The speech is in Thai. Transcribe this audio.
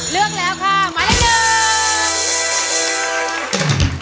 เลือกแล้วค่ะหมายเลข๑